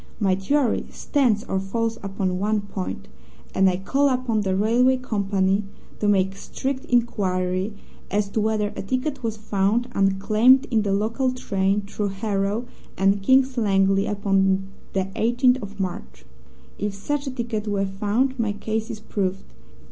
My theory stands or falls upon one point, and I call upon the railway company to make strict inquiry as to whether a ticket was found unclaimed in the local train through Harrow and King's Langley upon the 18th of March. If such a ticket were found my case is proved.